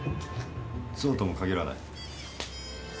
そうとも限らない。